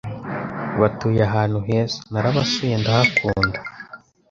Batuye ahantu heza narabasuye ndahakunda